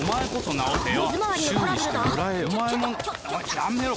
やめろ！